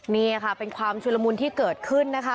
นี่ค่ะเป็นความชุลมุนที่เกิดขึ้นนะคะ